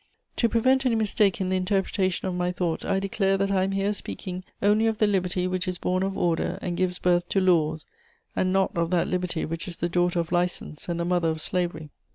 To prevent any mistake in the interpretation of my thought, I declare that I am here speaking only of the liberty which is born of order and gives birth to laws, and not of that liberty which is the daughter of license and the mother of slavery.